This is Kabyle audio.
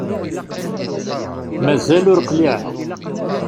Mazal ur qliεeɣ.